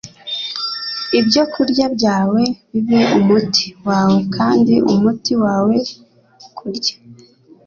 Ibyo kurya byawe bibe umuti wawe kandi umuti wawe kurya